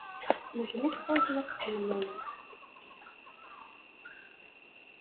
Medden akk ḥwajen ad xedmen aya.